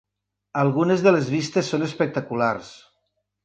Algunes de les vistes són espectaculars.